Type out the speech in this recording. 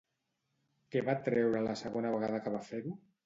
Què va treure la segona vegada que va fer-ho?